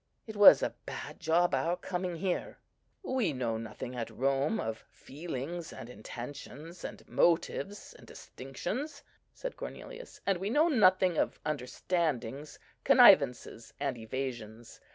It was a bad job our coming here." "We know nothing at Rome of feelings and intentions, and motives and distinctions," said Cornelius; "and we know nothing of understandings, connivances, and evasions.